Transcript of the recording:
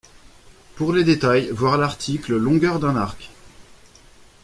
Pour les détails, voir l'article longueur d'un arc.